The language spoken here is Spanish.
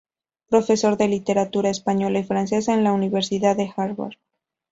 Profesor de literatura española y francesa en la Universidad de Harvard.